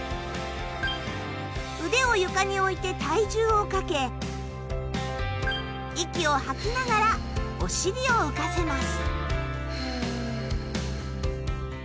腕を床に置いて体重をかけ息を吐きながらお尻を浮かせます。